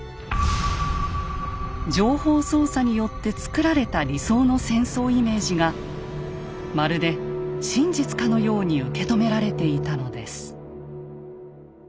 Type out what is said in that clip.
情報操作によって作られた理想の戦争イメージがまるで真実かのように受け止められていたのです。